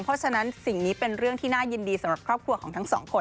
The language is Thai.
เพราะฉะนั้นสิ่งนี้เป็นเรื่องที่น่ายินดีสำหรับครอบครัวของทั้งสองคน